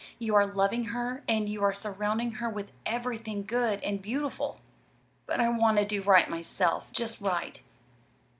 "You are loving her, and you are surrounding her with everything good and beautiful." "But I want to do right myself just right."